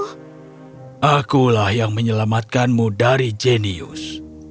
oh akulah yang menyelamatkanmu dari jenius